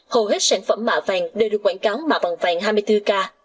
hầu hết sản phẩm mà vàng đều được quảng cáo mà vàng vàng hai mươi bốn k